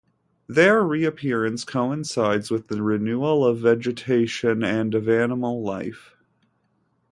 Their reappearance coincides with the renewal of vegetation and of animal life.